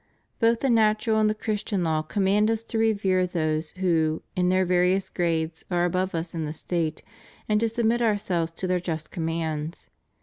Both the natural and the Christian law command us to revere those who, in their various grades are above us in the State, and to submit ourselves to their just commands.